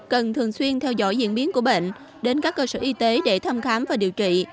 cần thường xuyên theo dõi diễn biến của bệnh đến các cơ sở y tế để thăm khám và điều trị